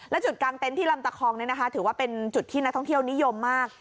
และจุดกลางเต็นต์ที่ลำตะคองถือว่าเป็นจุดที่นักท่องเที่ยวนิยมมาก